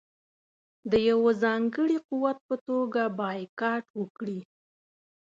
د یوه ځانګړي قوت په توګه بایکاټ وکړي.